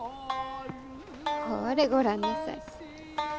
ほれご覧なさい。